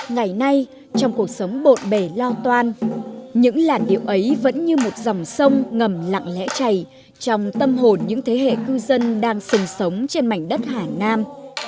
ngày nay trong cuộc sống bột bể lo toan những lãnh điệu ấy vẫn như một dòng sông ngầm lặng lẽ chảy trong tâm hồn những thế hệ cư dân đang sừng sống trên mảnh đất hà nam